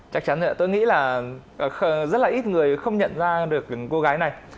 chắc chắn rồi ạ tôi nghĩ là rất là ít người không nhận ra được cô gái này